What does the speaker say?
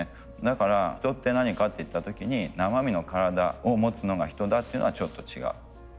だから人って何かっていった時に生身の体を持つのが人だっていうのはちょっと違う。